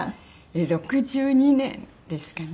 ６２年ですかね。